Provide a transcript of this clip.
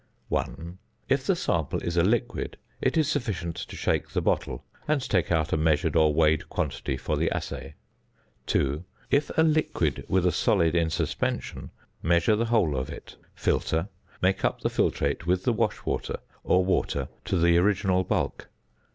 1. If the sample is a liquid: it is sufficient to shake the bottle, and take out a measured or weighed quantity for the assay. 2. If a liquid with a solid in suspension: measure the whole of it. Filter. Make up the filtrate with the wash water or water to the original bulk.